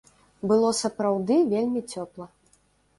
Было сапраўды вельмі цёпла.